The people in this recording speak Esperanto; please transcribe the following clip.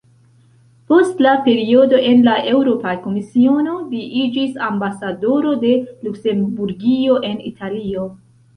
Post la periodo en la Eŭropa Komisiono, li iĝis ambasadoro de Luksemburgio en Italio.